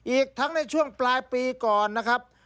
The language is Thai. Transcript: อีกทั้งในช่วงปลายปีก่อนนะครับ